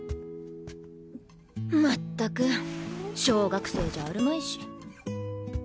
まったく小学生じゃあるまいし。